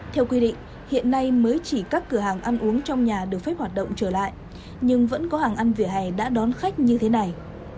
theo quy định hiện nay mới chỉ các cửa hàng ăn uống trong nhà được phép hoạt động trở lại nhưng vẫn có hàng ăn vỉa hè đã đón khách như thế này